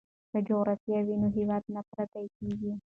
که جغرافیه وي نو هیواد نه پردی کیږي.